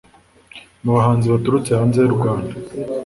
Mu bahanzi baturutse hanze y’u Rwanda